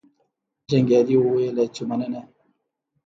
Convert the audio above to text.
جنګیالي وویل چې مننه.